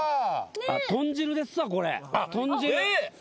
豚汁ですわこれ。